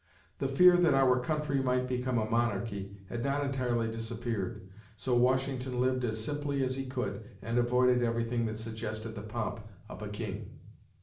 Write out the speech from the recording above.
The fear that our country might become a monarchy had not entirely disappeared, so Washington lived as simply as he could and avoided everything that suggested the pomp of a king.